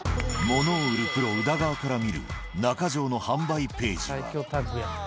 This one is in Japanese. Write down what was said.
ものを売るプロ、宇田川から見る中城の販売ページは。